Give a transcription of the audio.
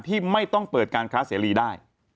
ที่ไม่ต้องเปิดการค้าเสรีได้